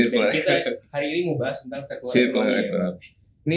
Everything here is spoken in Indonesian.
dan kita hari ini mau bahas tentang sirkular ekonomi